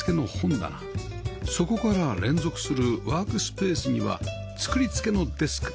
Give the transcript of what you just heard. そこから連続するワークスペースには作り付けのデスク